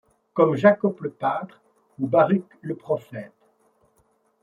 Comme Jacob le pâtre ou Baruch le prophète